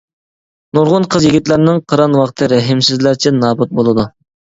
نۇرغۇن قىز-يىگىتلەرنىڭ قىران ۋاقتى رەھىمسىزلەرچە نابۇت بولىدۇ.